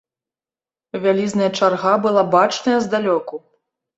Вялізная чарга была бачная здалёку.